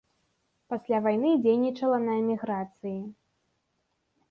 Пасля вайны дзейнічала на эміграцыі.